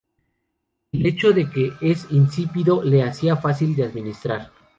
El hecho de que es insípido le hacía fácil de administrar.